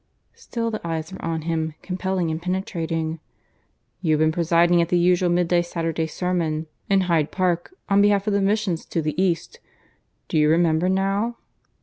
Still the eyes were on him, compelling and penetrating. "You have been presiding at the usual midday Saturday sermon in Hyde Park, on behalf of the Missions to the East. Do you remember now?